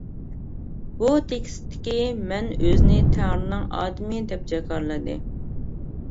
بۇ تېكىستتىكى مەن ئۆزىنى «تەڭرىنىڭ ئادىمى» دەپ جاكارلىدى.